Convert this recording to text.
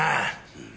うん。